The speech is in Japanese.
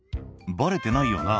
バレてないよな？」